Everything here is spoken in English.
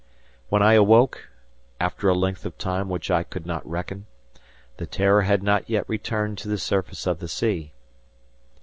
When I awoke, after a length of time which I could not reckon, the "Terror" had not yet returned to the surface of the sea.